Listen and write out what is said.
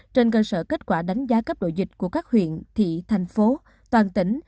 trên cơ sở kết quả đánh giá cấp độ dịch của các huyện thị thành phố toàn tỉnh